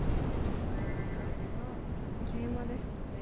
今回はケイマですもんね。